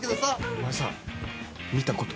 お前さ見たことあんの？